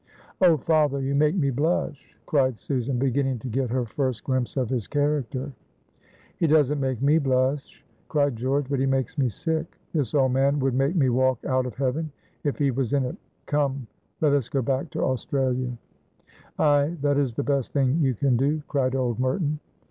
"Oh, father, you make me blush," cried Susan, beginning to get her first glimpse of his character. "He doesn't make me blush," cried George; "but he makes me sick. This old man would make me walk out of heaven if he was in it. Come, let us go back to Australia." "Ay, that is the best thing you can do," cried old Merton.